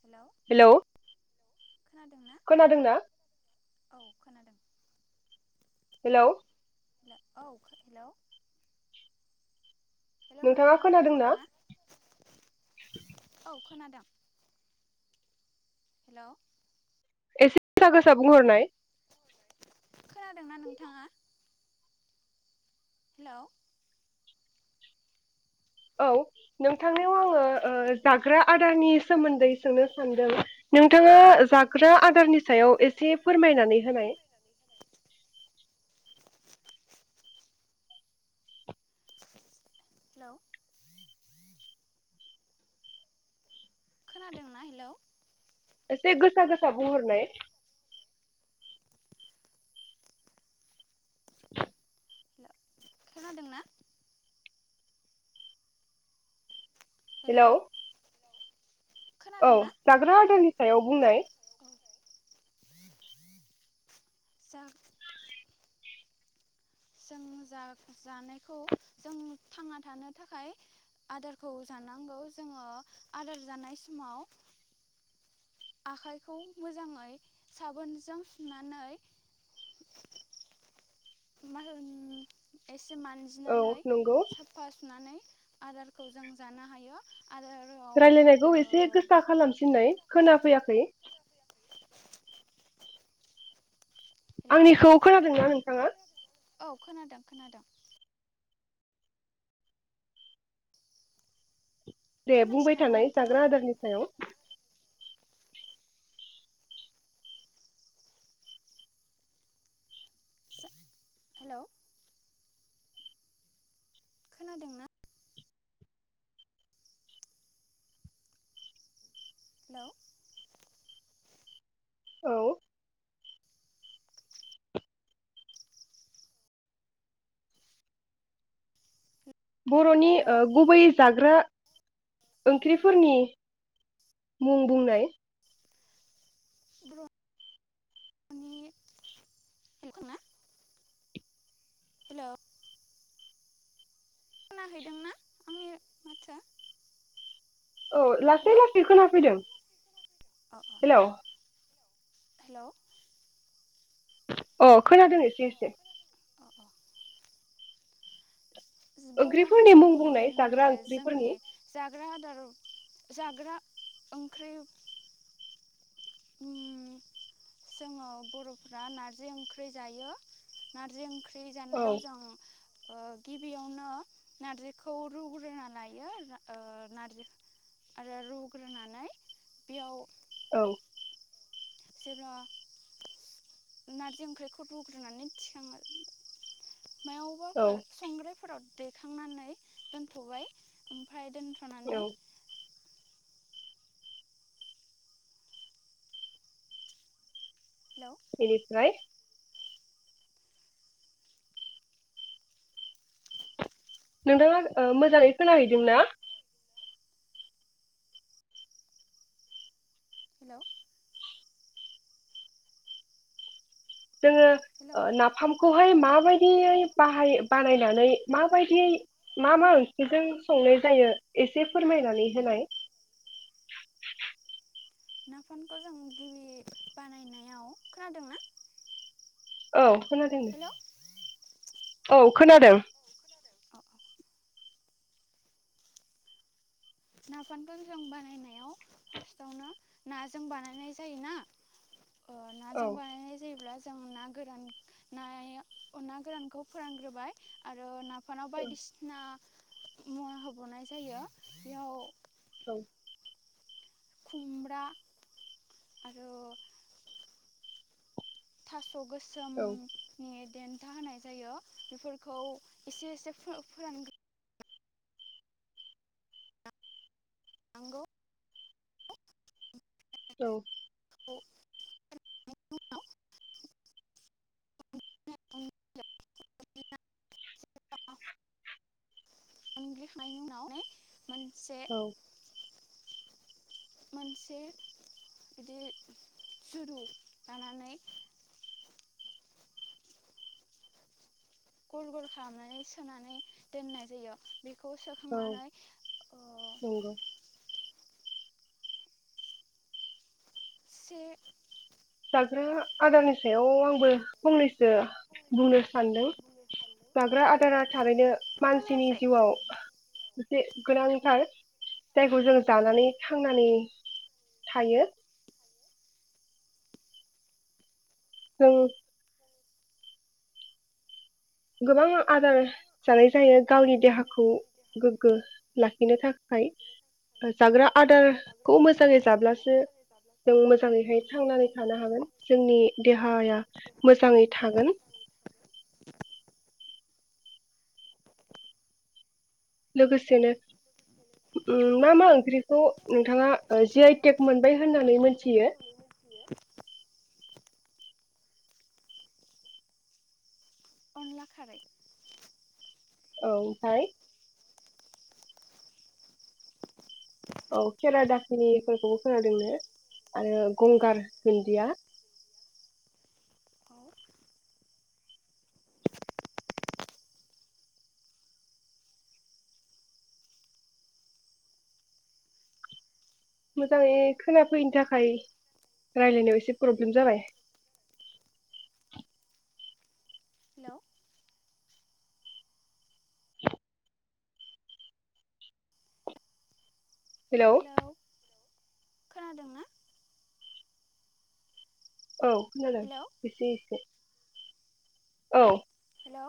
Hello खोनादोंना खोनादोंना औ खोनादों हेल' औ हेल' हेल' नोंथाङा खोनादोंना औ खोनादों। हेल' एसे गोसा गोसा बुंहरनाय। खोनादोंना नोंथाङा? हेल' औ नोंथांनियाव आङो ओ जाग्रा आदारनि सोमोन्दै सोंनो सानदों नोंथाङा जाग्रा आदारनि सायाव एसे फोरमायनानै होनाय। हेल' खोनादोंना हेलौ एसे गोसा गोसा बुंहरनाय। खोनादोंना? हेलौ औ खोनादोंना जाग्रा आदारनि सायाव बुंनाय। औ जा जों जा-जानायखौ जों थांना थानो थाखाय आदारखौ जानांगौ जोङो आदार जानाय समाव आखाइखौ मोजाङै साबोनजों सुनानै मा होन एस से औ मानजिनानै नंगौ साफा सुनानै आदारखौ जों जानो हायो। आदाराव रायलायनायखौ ओ एसे गोसा खालामफिननाय खोनाफैयाखै। हेलौ आंनिखौ खोनादोंना नोंथाङा? औ खोनादों खोनादों। दे खोनायासै बुंबाय नामा थानाय नोंथाङा जाग्रा आदारनि सायाव। जा हेल' खोनादोंना? हेल' औ बर'नि हेलौ ओ गुबै जाग्रा ओंख्रिफोरनि मुं बुंनाय बर'नि [unintelligible] हेल' खोनाहैदोंना आंनि माथोआ? औ लासै लासै खोनाफैदों। अ अ हेलौ हेलौ अ खोनादों एसे एसे। अ अ बर' ओंख्रिफोरनि मुं बुंनाय जाग्रा हारिनि जोंनि ओंख्रिफोरनि। जाग्रा जाग्रा ओंख्रि ओम जोङो बर'फ्रा नारजि ओंख्रै जायो नारजि ओं ख्रि औ जानायाव जों ओ गिबियावनो नारजिखौ रुग्रोना लायो ओ नारजि आरो रुग्रोनानै बेयाव औ जेब्ला नारजि ओंख्रिखौ रुग्रोनानै थिखाङो। औ मायावबाफोर संग्रायफोराव दैखांनानै दोनथ'बाय ओम फ्राय दोनथ'नानै औ हेलौ एनिफ्राय नोंथाङा मोजाङै खोनाहैदों ना? हेलौ जोङो हेलौ ओ नाफामखौहाय माबायदि यै बाहाय बानायनानै माबायदियै मा मा ओंख्रिजों संनाय जायो एसे फोरमायनानै होनाय नाफामखौ जों गिबि बानायनायाव खोनादों ना? औ खोनादों। औ खोनादों। नाफामफोर जों बानायनायाव फार्स्टआवनो नाजों बानायनाय जायोना? ओ औ नाजों बानायनाय जायोब्ला जों ना गोरान नाय ना गोरानखौ फोरानग्रोबाय आरो ना [unintelligible] औ बायदिसिना मुवा होबावनाय जायो। बेयाव औ खुमब्रा आरो था स' औ गोसोमनि देन खोथा होनाय जायो बेफोरखौ एसे एसे फोरानग्रो नांगौ औ औ [unintelligible] [unintelligible] उनग्लि खांनायनि उनाव [unintelligible] मोनसे औ मोनसे बिदि जुरु लानानै गल गल खालामनानै सोनानै दोननाय जायो बेखौ औ सोखांनानै ओ नंगौ से [unintelligible] आदारनि सायाव आंबो फंनैस सो बुंनो सानदों जाग्रा आदारा थारैनो मानसिनि खोनायासै जिउआव [unintelligible] गोनांथार जायखौ जों जानानै थांनानै थायो जों गोबां आ आदार जानाय जायो गावनि देहाखौ गोग्गो लाखिनो थाखाय ओ जाग्रा आदारखौ मोजाङै जाब्लासो जों मोजाङैहाय थांनानै थानो हागोन जोंनि देहाया मोजाङै थागोन [inaudible] लोगोसेनो उम मा मा ओंख्रि ग' नोंथाङा ओ जि आइटेक मोनबाय होननानै मोनथियो अनला खारै औ ओमफाय औ खेरा दाखिनिफोरखौबो खोनादोंनो आरो गंगार दुन्दिया औ मोजाङै खोनाफैयैनि थाखाय रायलायनायाव एसे प्रब्लेम जाबाय हेलौ हेलौ खोनादोंना औ खोनादों हेलौ एसे एसे औ हेलौ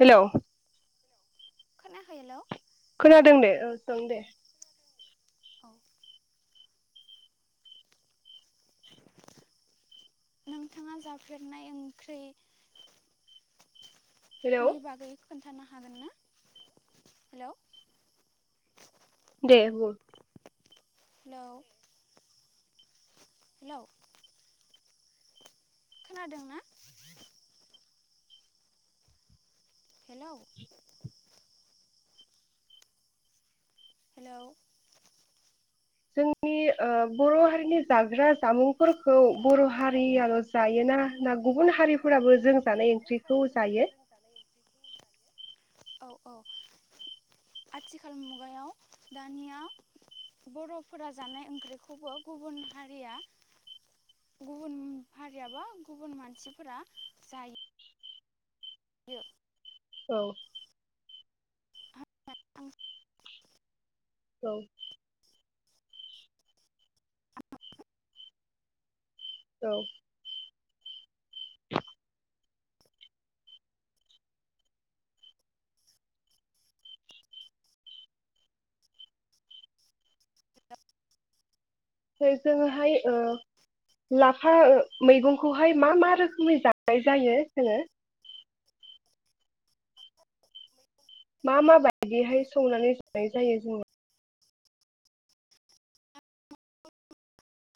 हेलौ [unintelligible] हेलौ खोनादों दे ओ सों दे औ [unintelligible] थाङा जाफेरनाय ओंख्रै हेलौ नि बागै [unintelligible] खोन्थानो हागोन ना हेलौ दे बुं हेलौ हेलौ खोनादोंना हेलौ हेलौ जोंनि ओ बर' हारिनि जाग्रा जामुंफोरखौ बर' हारियाल' जायोना ना गुबुन हारिफोराबो जों जानाय ओंख्रि खौ जायो औ औ आथिखाल मुगायाव दानिया बर'फोरा जानाय ओंख्रिखौबो गुबुन हारिया गुबुन हारियाबा गुबुन मानसिफोरा जायो। औ औ औ जोङोहाय ओ लाफा मैगंखौहाय मा- मा रोखोमै जानाय जायो जोङो मा- मा बायदिहाय संनानै जनाय जायो जोङो।